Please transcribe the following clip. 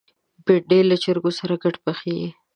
بېنډۍ له چرګو سره ګډ پخېږي